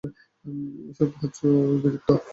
এই-সব হচ্ছে ওঁর বীরত্ব।